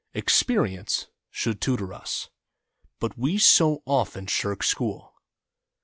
Experience should tutor us, but we so often shirk school.